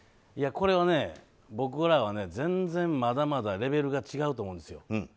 これは僕らは全然まだまだレベルが違うと思うんですよ。